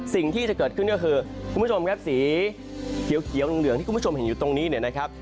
สิ่งที่จะเกิดขึ้นก็คือคุณผู้ชมครับสีเขียวเหลืองที่คุณผู้ชมเห็นอยู่ตรงนี้เนี่ยนะครับ